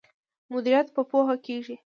مدیریت په پوهه کیږي.